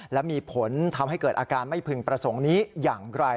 และมีผลทำให้เกิดอาการไม่พึงประสงค์นี้อย่างไร